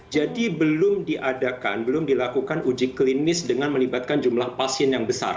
jadi belum diadakan belum dilakukan uji klinis dengan melibatkan jumlah pasien yang besar